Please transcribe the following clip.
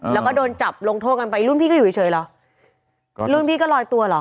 แล้วก็โดนจับลงโทษกันไปรุ่นพี่ก็อยู่เฉยเหรอก็รุ่นพี่ก็ลอยตัวเหรอ